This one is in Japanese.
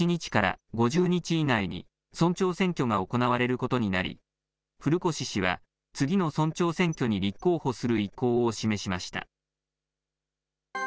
２７日から５０日以内に村長選挙が行われることになり、古越氏は次の村長選挙に立候補する意向を示しました。